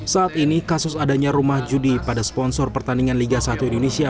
saat ini kasus adanya rumah judi pada sponsor pertandingan liga satu indonesia